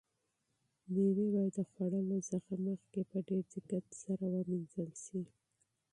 مېوې باید د خوړلو څخه مخکې په ډېر دقت سره ومینځل شي.